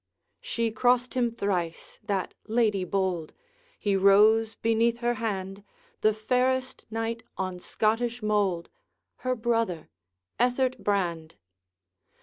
She crossed him thrice, that lady bold; He rose beneath her hand The fairest knight on Scottish mould, Her brother, Ethert Brand!